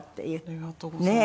ありがとうございます。